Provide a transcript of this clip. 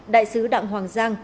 đại sứ đặng hoàng giang